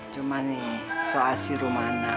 cuman nih soal si rumana